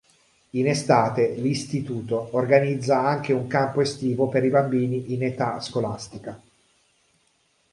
In estate, l'istituto organizza anche un campo estivo per i bambini in età scolastica.